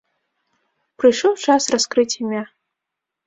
Прыйшоў час раскрыць імя.